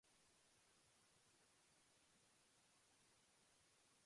No me mientas, están las pruebas en el vídeo.